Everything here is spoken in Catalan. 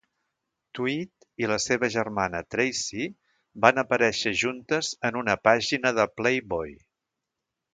Tweed i la seva germana Tracy van aparèixer juntes en una pàgina de "Playboy".